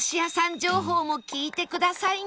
情報も聞いてくださいね